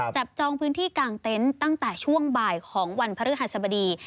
จองพื้นที่กลางเต็นต์ตั้งแต่ช่วงบ่ายของวันพฤหัสบดี